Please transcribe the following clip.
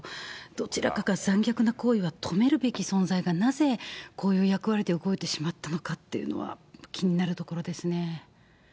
どちらかが残虐な行為を止めるべき存在が、なぜこういう役割で動いてしまったのかというのが気になりますね。